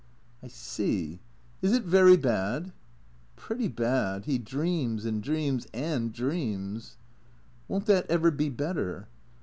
" I see. Is it very bad ?"" Pretty bad. He dreams and dreams and dreams." " Won't that ever be better